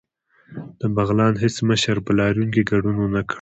د بغلان هیڅ مشر په لاریون کې ګډون ونکړ